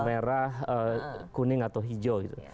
merah kuning atau hijau gitu